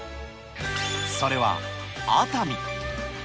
それは熱海。